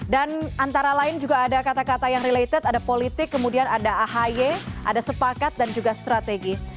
dan antara lain juga ada kata kata yang related ada politik kemudian ada ahy ada sepakat dan juga strategi